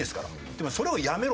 でもそれを「やめろ」